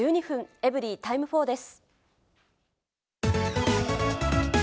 エブリィタイム４です。